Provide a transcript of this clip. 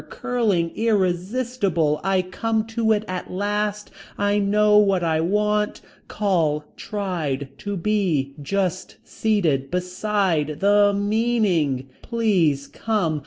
Curling. Irresistible. I come to it at last. I know what I want. Call. Tried. To be. Just. Seated. Beside. The. Meaning. Please come.